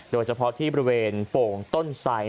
โดยเฉพาะที่บริเวณโป่งต้นไส